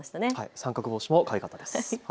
三角帽子もかわいかったです。